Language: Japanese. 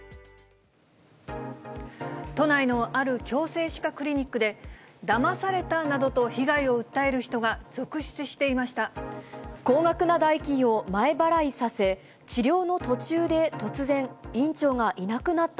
都内のある矯正歯科クリニックで、だまされたなどと被害を訴える人が続出していました。